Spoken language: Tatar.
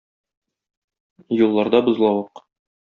Юлларда бозлавык.